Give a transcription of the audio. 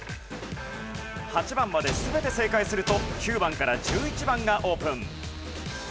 ８番まで全て正解すると９番から１１番がオープン。